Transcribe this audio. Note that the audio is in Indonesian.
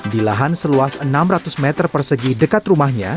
di lahan seluas enam ratus meter persegi dekat rumahnya